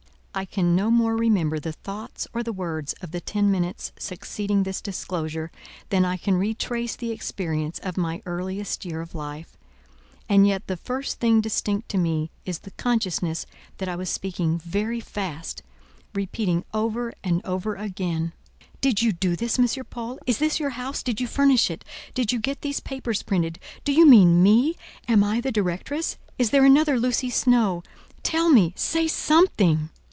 I can no more remember the thoughts or the words of the ten minutes succeeding this disclosure, than I can retrace the experience of my earliest year of life: and yet the first thing distinct to me is the consciousness that I was speaking very fast, repeating over and over again:— "Did you do this, M. Paul? Is this your house? Did you furnish it? Did you get these papers printed? Do you mean me? Am I the directress? Is there another Lucy Snowe? Tell me: say something."